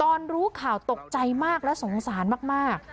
รู้ข่าวตกใจมากและสงสารมาก